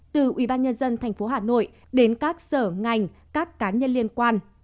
từ ubnd tp hà nội đến các sở ngành các cá nhân liên quan